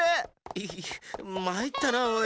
イヒッまいったなおい。